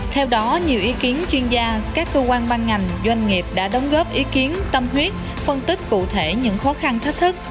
theo đó nhiều ý kiến chuyên gia các cơ quan ban ngành doanh nghiệp đã đóng góp ý kiến tâm huyết phân tích cụ thể những khó khăn thách thức